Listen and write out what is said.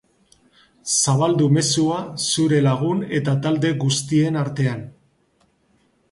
Zabaldu mezua zure lagun eta talde guztien artean.